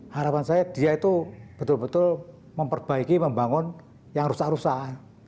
harapan saya dia itu betul betul memperbaiki membangun yang rusak rusak